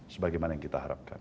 sebagaimana yang kita harapkan